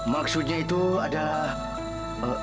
maksudnya itu adalah